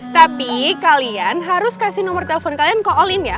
tapi kalian harus kasih nomor telepon kalian ke olim ya